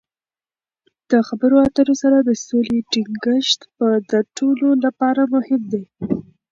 د خبرو اترو سره د سولې ټینګښت د ټولو لپاره مهم دی.